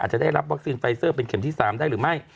จะได้รับวัคซีนไฟเซอร์เป็นเข็มที่๓ได้หรือไม่